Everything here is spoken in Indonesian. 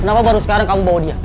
kenapa baru sekarang kamu bawa dia